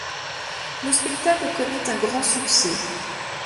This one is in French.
Le spectacle connaît un grand succès.